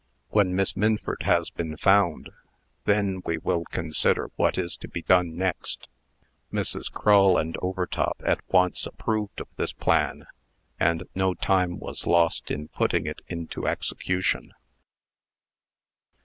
When Miss Minford has been found, then we will consider what is to be done next." Mrs. Crull and Overtop at once approved of this plan, and no time was lost in putting it into execution.